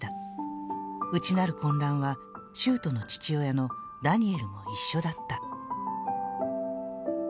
内なる混乱は、秀斗の父親のダニエルも一緒だった」。